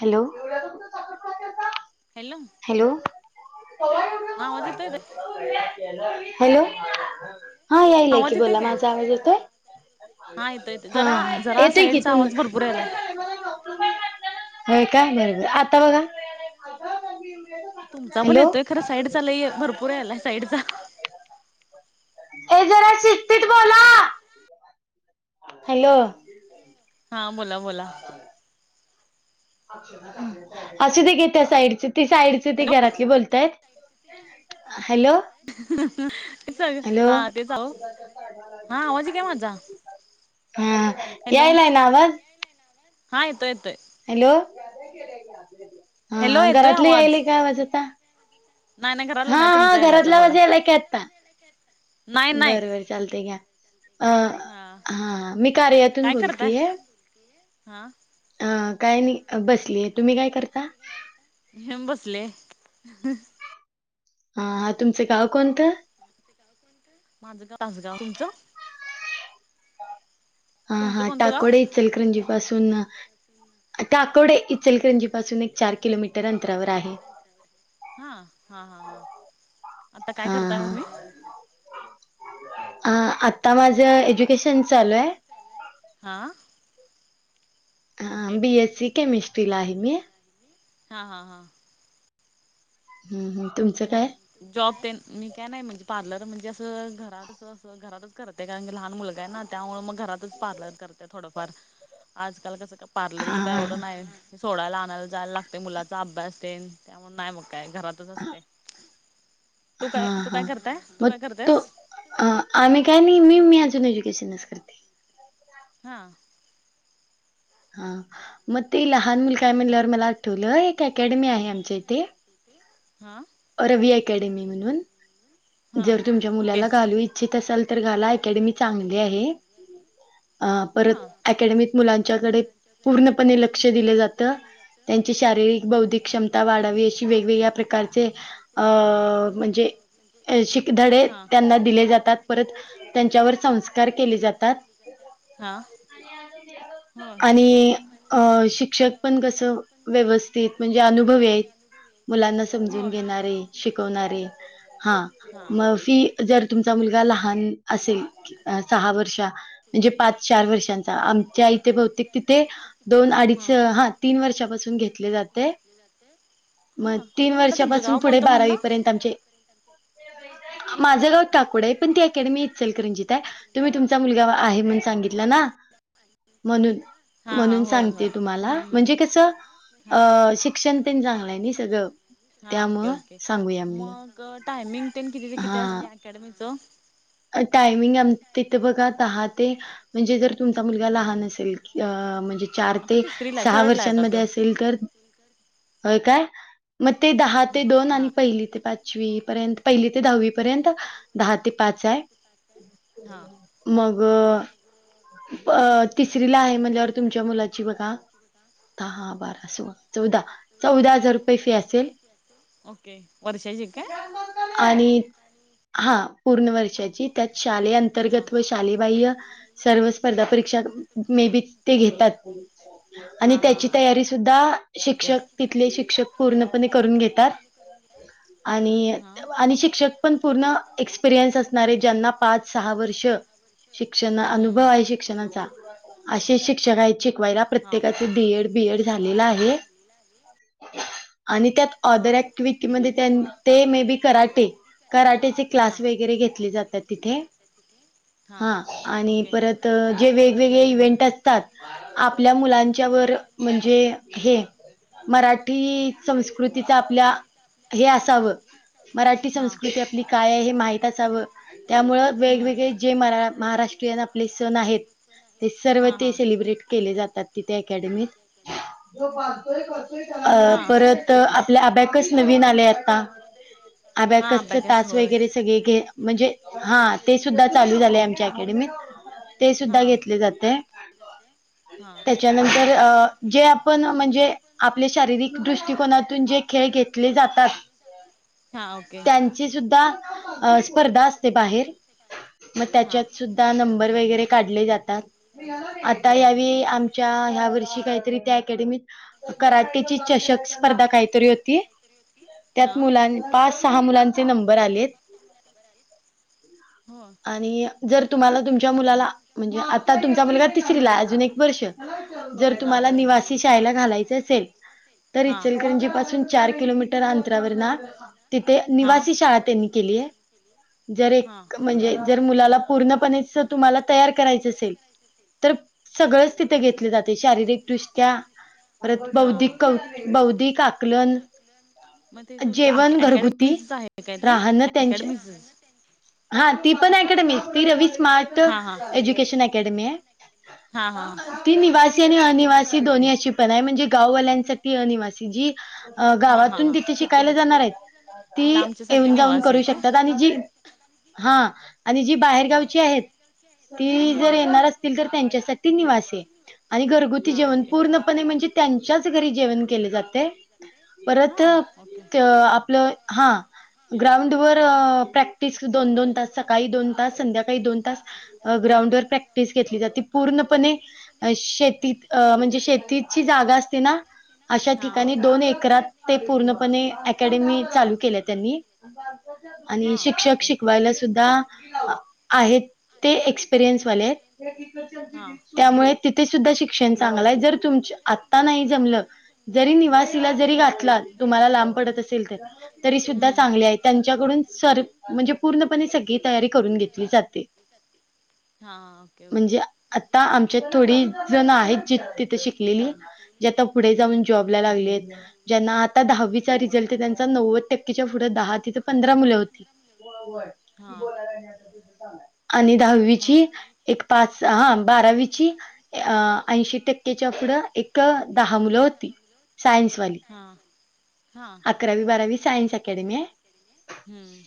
Hello. Hello. Hello हा आवाज येतोय काय [unintelligible] हॅलो हा यायलाय की आवाज येतोय बोला काय माझा आवाज येतोय? हा येतोय येतोय हा जरा हा, जरा येतो की साईडचा तुम. आवाज भरपूर यायलाय [unintelligible] होय काय बरं बरं आत्ता बघा. तुमचा पण हॅलो येतोय खरं साईडचा लय भरपूर यायलाय साईडचा. ऐ जरा शिस्तीत बोला. हॅलो. हा बोला बोला [inaudible] असू दे घे त्या साईडचे ते साईटचे ते हॅलो घरातली बोलतायेत. हॅलो. सग हॅलो. हा तेच आहो हा आवाज येतोय काय माझा हां... हॅलो यायलाय ना आवाज. हा. येतोय येतोय. हॅलो, हॅलो हा येतोय घरातलं आवाज यायलय का आवाज आता. नाही नाही घराला हा नाही हा.. तुमचा यायला आता घरातला बोला आवाज यायलाय की आता. नाही नाही. चालते घ्या, अं.. हा हा मी कार्यातून बोलतेय. हां. अं.. काय नाही बसलीये, तुम्ही काय करता. हम्म. बसले. हा हां. तुमचं गाव कोणतं. माझगाव, माझगाव तुमचं. हा तुमचं हां. कोणतं गाव टाकोडे चलकरंजी पासून, टाकवडे इचलकरंजी पासून एक, चार किलोमीटर अंतरावर आहे. हा हा हा हा. आता काय हा करताय मग तुम्ही हां. आ.. आता माझं एज्युकेशन चालू ये. हां. हां.. बीएससी केमिस्ट्री ला आहे मी. हा हा हा. हम् हम्. मग जॉब ते मी काय नाही म्हणजे, पार्लर म्हणजे असं घरात अस घरातच करते. [unintelligible] की लहान मुलगा आहे ना, त्यामुळे मग घरातच पार्लर करत्या थोडंफार. आजकाल कसं हा पार्लरच काय, हा एवढं हा नाही. सोडायला आणायला जायला लागते, मुलाचा अभ्यास तेन त्यामुळे नाही मग काय घरातच असते. तू काय हां, तू काय करताय, तू काय करतेस. अं.. आम्ही काय नाही मी, मी अजून एज्युकेशनच करते. हा. हां मग ते लहान मुल काय म्हणल्यावर, मला आठवलं एक अकॅडमी आहे आमच्या इथे. हां. रवी अकॅडेमी म्हणून, हा जर तुमच्या ओके मुलाला घालूच इ ठीक असाल तर, अकॅडमी चांगली आहे. अ.. हा. परत अकॅडमीत, मुलांच्या कडे पूर्णपणे लक्ष दिलं जातं. त्यांची शारीरिक बौद्धिक, क्षमता वाढावी अशी वेगवेगळ्या प्रकार. अ.. म्हणजे शिकधडे हा. त्यांना, दिले जातात परत. तेच्यावर संस्कार केले जातात. हा होय आणि अं.. शिक्षक पण कसं व्यवस्थित म्हणजे अनुभवी आहेत. मुलांना स जून घेणारे, शिकवणारे हा. मग फी जर तुमचा मुलगा लहान असेल सहा वर्षा. म्हणजे पाच चार वर्षांचा, आमच्या इथे बहुतेक तिथे. दोन अडीच हा तीन, वर्षापासून घेतले जाते मग. हा कुठं तीन वर्षापासून, पुढे बारावीपर्यंत. माझं गाव टाकोडे आहे पण, ती अकॅडमी इचलकरंजीत आहे. तुम्ही तुमचा मुलगा आहे, म्हणून सांगितलं ना म्हणून. हा हा म्हणून होय होय. सांगते त्यांनी तुम्हाला, म्हणजे कस अं.. शिक क्षण तेन चांगल, हाय णी सगळं. हा ओके त्यामुळं ओके सांगूया म्हणलं मग टायमिंग त्यांनी, किती ते किती असतं म्हणजे हा अकॅडमीचं. टायमिंग आ.. तिथे दहा ते, म्हणजे, जर तुमचा मुलगा लहान असेल अ म्हणजे चार आता ते तिसरीला आहे सहा थर्ड ला आहे वर्षांन, आता मध्ये त्यो. असेल तर. होय काय? मग, ते दहा ते दोन आणि हा. पहिली ते पाच पाचवी पर्यंत पहिली ते दहावी पर्यंत दहा ते पाच आहे. हा मग, अ तिसरी ला आहे म्हणल्यावर तुमच्या मुलाची म्हणजे, बघा दहा, बारा, सोळा, चौदा चौदा हजार रुपये फी असेल. ओके वर्षाची काय? आणि हा पूर्ण वर्षाची. त्यात शालेय अंतर्गत व शाले बाह्य सर्व स्पर्धा परीक्षा मे बी ते घेतात. आणि हा त्याची हा तयारी सुद्धा शिक्षक ति इथले शिक्षक पूर्णपणे करून घेतात आणि हा आणि शिक्षक पण पूर्ण एक्सपिरियन्स असणारे, ज्यांना पाच सहा वर्ष शिक्षण हम्म अनुभव हम्म. आहे. शिक्षणाचा असे शिक्षक आहेत, शिकवायला हा ओके. प्रत्येकाच, बीएड बीएड झाले आहे आणि त्यात. ऑदर हा ऍक्टिव्हिटी मध्ये ते मे बी कराटे, कराटेचे क्लास वगैरे घेत जातांत तिथे हा आणि परत, तर जे वेगवेगळे इव्हेंट असतात, आपल्या मुलांच्यावर म्हणजे हे, मराठी संस्कृतीच आपल्या हे असावं मराठी हा संस्कृती आपली, काय आहे हे माहित असावं. त्यामुळ वेगवेगळे जे महा, महाराष्ट्रीयन आपले सण आहेत, ते सर्व हा ते हा. सेलिब्रेट केले जातात तिथे अकॅडमीत. अ हा परत, आपल्या अबॅकस नवीन आले आता. हा अबॅकस च तास होय. वगैरे सगळे घे म्हणजे, हा, ते सुद्धा चालू झाले आमच्या अकॅडमीत ते हा सुद्धा घेतले जाते. हा त्याच्यानंतर ओके. अ जे पण म्हणजे आपले, शारीरिक दृष्टकोनातून जे खेळ घेतले जातात. हां, ओके. ती सुद्धा स्पर्धा असते बाहेर, मग हा त्याचा सुद्धा. नंबर वगैरे काढले जातात आता, यावेळी आमच्या ह्या वर्षी काहीतरी त्या अकॅडमीत कराटेची चषक स्पर्धा काहीतरी होती. हा त्यात मुलां पाच सहा, मुलांचे नंबर आलेत. होय आणि, जर तुम्हाला तुमच्या मुलाला म्हणजे, आता तुमचा मुलगा तिसरी ला अजून एक वर्ष जर हा तुम्हाला ओके. निवासी शाळेला घालायच असेल, तर घाला हा इचलकरंजीपासून. चार किलोमीटर अंतरावर ना तिथे हा. निवासी शाळा त्यांनी केली आहे. जर हा हा एक म्हणजे जर मुलाला पूर्णपणे तुम्हाला तयार करायचं असेल तर सगळंच तिथे घेतले जाते, शारीरिक दृष्ट्या परत हा बौद्धिक, बौद्धिक आकलन मग ते तुमच्या जेवण घरगुती, अकॅडमीच आहे काय ते? राहणं त्यांचे. अकॅडमीचच हा, ती पण अकॅडमीच ती रवी स्मार्ट हा हा एज्युकेशन अकॅडमी आहे. हा हा [unintelligible] ती निवासी आणि अनिवासी दोन्ही अशी पण आहे म्हणजे गाववाल्यांसाठी अनिवासी जी हा हा गावातून हा तिथे शिकायला तिथून जाणार आहेत ती आणि लांबच्यासाठी येऊन जाऊन निवासी करू आहे शक काय? हं आणि जी हा बाहेरगावची आहेत आहेत ती, जर हम्म. येणार असतील. असेल तर त्यांच्यासाठी निवास आणि घरगुती हा जेवण ओके. पूर्ण म्हणजे त्यांच्याच घरी जेवण केले जातंय पण परत, हा ओके आपलं हा ग्राउंडवर प्रॅक्टिस दोन दोन तास, सकाळी दोन तास संध्याकाळी दोन तास. अं.. ग्राउंड वर प्रॅक्टिस घेतली जाते पूर्णपणे. अं.. शेतीत अ म्हणजे शेतीची जागा असते ना. अशा हा ठिकाणी दोन एकरात ते, पूर्णपणे अकॅडमी चालू केल्या त्यांनी. आणि हा शिक्षक ओके. शिकवायला सुद्धा आहेत ते, एक्सपिरियन्सवाले आहेत. हा त्यामुळे तिथे सुद्धा शिक्षण चांगलंय जर, तुमच आता नाही जमलं. जरी निवासीला जरी घातला, तुम्हाला लांब पडत असेल, तर तरी सुद्धा हम्म चांगले आहेत. त्यांच्याकडून सर म्हणजे, पूर्णपणे सगळी तयारी करून घेतली जाते. हां ओके म्हणजे ओके. आता आमच्यात थोडी जण आहेत जी, तिथे शिकलेली जे आता पुढे हम्म. जाऊन जॉब. त ज्यांना आता, दहावीचा रिझल्ट आहे त्यांचा नव्वद टक्केच्या पुढं दहा. तिथं पंधरा मुलं होती. हा आणि हा. दहावीची, एक पाच हा, बारावीची ऐंशी टक्केच्या पुढं एक. दहा मुलं हम्म होती, सायन्सवाली. हा हा अकरावी, ओके. बारावी सायन्स अकॅडमी आहे. हम्म.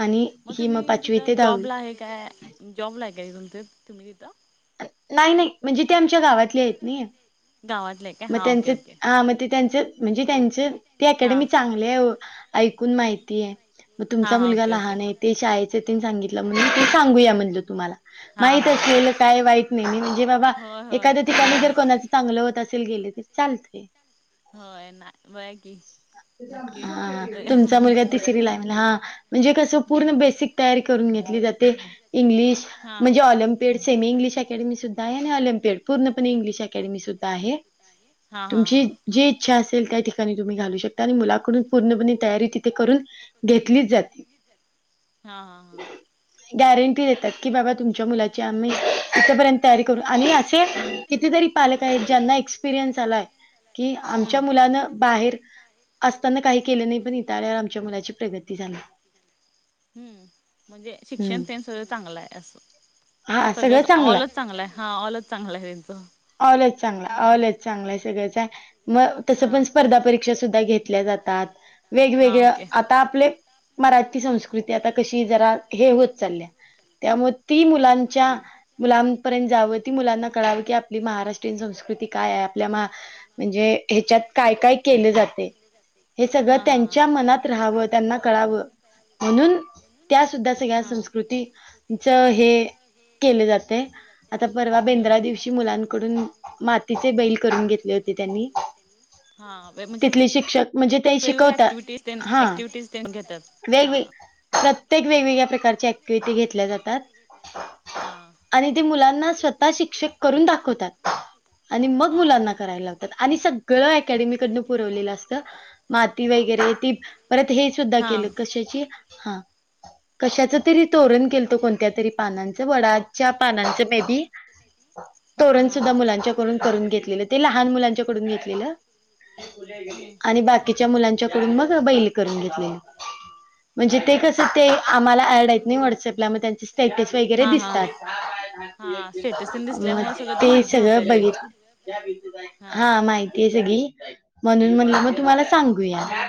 आणि मग ही तुम्ही पाचवी तिथ ते दहावी. जॉबला आहे. काय जॉब ला आहे, काय तुम्ही तिथं. नाही नाही म्हणजे ते, आमच्या गावातले आहेत नी. गावातलं आहे काय मग हा त्यांचे ओके हा, ओके मग ते त्यांच. म्हणजे, हा त्यांचे ती हा अकॅडमी चांगली आहे ऐकून माहिती आहे. मग तुमचा हा मुलगा ओके ओके लहान आहे ते, शाळेचे ते सांगितलं म्हणून ते सांगूया म्हणलं तुम्हाला. हा माहित हा हां.. असलेलं काय वाईट नाही, नाही म्हणजे बाबा एखाद्या ठिकाणी नाही ना. जर कोणाचं चांगलं होत असेल गेले तर चालतय. होय ना, बघा की. नक्की हां.. तिथं तुमचा हम्म. मुलगा ति तिसरीला हां.. म्हणजे कसं पूर्ण बेसिक तयारी करून घेतली जाते इंग्लिश. हा म्हणजे olympiad semi English academy सुद्धा आहे, आणि ऑलम्पेड पूणपणे इंग्लिश अकॅडमी सुद्धा आहे. हा हा हा तुमची हा जी इच्छा असेल त्या, ठिकाणी तुम्ही घालू शकता. तिथं आणि मुलाकडून, पूर्णपणे तयारी तिथे करून घेतलीच जाते. हा हा हां. गॅरंटी देतात की बाबा तुमच्या मुलाची आम्ही, इथपर्यंत तयारी करू आणि असे. कितीतरी पालक आहेत, ज्यांना एक्सपिरियन्स आलाय की आमच्या हम्म मुलान बाहेर असताना काही केले नाही पण, इथं आल्यावर आमच्या मुलाची प्रगती झाल्या. हम्म. म्हणजे शिक्षण हम्म तेन चांगलं आहे असं. सगळं ऑलच चांगलं आहे हा ऑलच चांगला आहे त्यांचं चांगलय सगळं आहे मग तसं हा पण, स्पर्धा परीक्षा सुद्धा घेतल्या जातात. हा वेगवेगळ ओके आता आपले, मराठी संस्कृती आता कशी जरा हे होतं चालल्या. त्यामुळे ती मुलांच्या, मुलांपर्यंत जावं ती मुलांना कळावी की, आपली महाराष्ट्रीयन संस्कृती काय आहे. आपल्या, म्हणजे हेच्यात काय काय केलं जात. ते हे सगळं हा हा त्यांच्या, मनात राहावं त्यांना कळावं हा म्हणून. त्या सुद्धा, सगळ्या हा संस्कृतीच हे केले जातंय. आता परवा हम्म बेंद्रा, दिवशी मुलांकडून मातीचे बैल करून घेतले होते त्यांनी. हा वे- म्हणजे तिथले शिक्षक म्हणजे ते, वेगवेगळ्या शिकवतात ऍक्टिव्हिटीज ते हा ऍक्टिव्हिटीज ते घेतात हा वेगवेग प्रत्येक वेगवेगळ्या प्रकारची ऍक्टिव्हटी घेतल्या जातात. हां. आणि ते मुलांना स्वतः शिक्षक करून दाखवतात. आणि मग हा ओके मुलांना करायला लावतात आणि सगळं अकॅमीकडन पुरवलेलं असत माती वगैरे ती परत हे सुद्धा हा केलं कशाची हा. कशाच, तरी तोरण केलतं कोणत्या तरी पानांचं वडाच्या पानांचं मे बी. हा तोरण हा सुद्धा मुलांच्याकडून करून घेतलेलं, ते लहान मुलांच्याकडून घेतलेलं. आणि हम्म बाकीच्या ओके मुलांच्याकडून मग, बैल करून घेतलेले. म्हणजे, ते कसं ते आम्हाला अँड आहेत नाही व्हाट्सअपला स्टेटस वगैरे हा हा हा दिसतात हा स्टेटस मग, दिसल्यामुळे सगळं ते माहिती होतय सगळं ते बघितलं हा. माहितीय आहे सगळी. म्हणून म्हणलं मग, तुम्हाला सांगू या. हम्म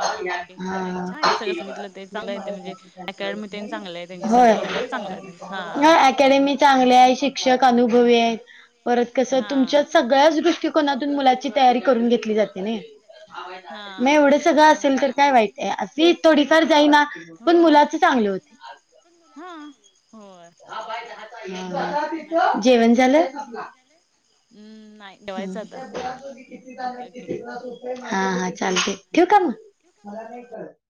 हा ओके हा. नाही हा. छान आहे सगळं सांगितलं ते चांगलं आहे ते म्हणजे अकॅडमी तेन चांगलं आहे त्यांची हो. सगळं सगळंच चांगलं आहे त्यांच [unintelligible] हा नाय अकॅडमी चांगले आहे शिक्षक अनुभवी आहेत. परत कस हा तुमच्या सगळ्याच दृष्टकोनात मुलाची तयारी करून घेतली जाते नाही, हा एवढ तेच कि सगळं त्यामुळं असेल तर काय वाईट. फी थोडीफार जाईना पण, हो मुलाच चांगले होते. हा. होय. मग काय नाही [unintelligible] चांगलं आहे जेवण सगळं झालं? हम्म. नाय. हम्म. ओके हा. हा. चालतय ठेवू का मग?